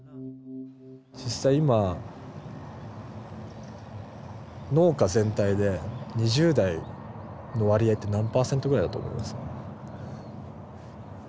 実際今農家全体で２０代の割合って何％ぐらいだと思います？